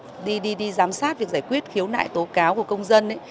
tôi cũng nhận thấy là từ thực tế mà đi giám sát việc giải quyết khiếu nại tố cáo của công dân